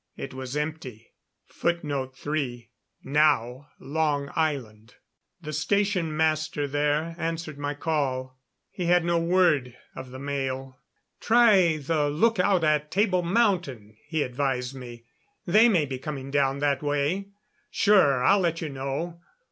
It was empty. [Footnote 3: Now Long Island.] The station master there answered my call. He had no word of the mail. "Try the lookout at Table Mountain," he advised me. "They may be coming down that way.... Sure I'll let you know....